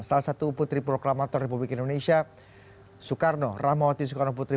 salah satu putri proklamator republik indonesia soekarno rahmawati soekarno putri